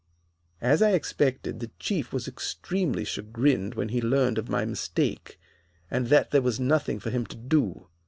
"As I expected, the Chief was extremely chagrined when he learned of my mistake, and that there was nothing for him to do.